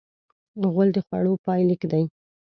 غول د خوړو پای لیک دی.